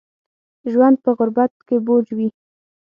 ژوند په غربت کې بوج وي